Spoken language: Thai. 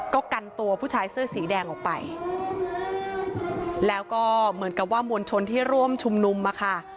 ก็กันตัวผู้ชายเสื้อสีแดงออกไปแล้วก็เหมือนกับว่ามวลชนที่ร่วมชุมนุมอะค่ะ